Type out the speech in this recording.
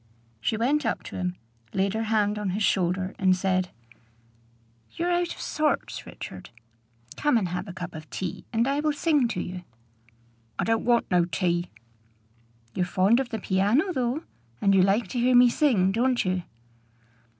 She went up to him, laid her hand on his shoulder, and said, "You're out of sorts, Richard. Come and have a cup of tea, and I will sing to you." "I don't want no tea." "You're fond of the piano, though. And you like to hear me sing, don't you?"